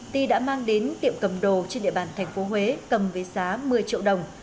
ti đã mang đến tiệm cầm đồ trên địa bàn tp huế cầm với giá một mươi triệu đồng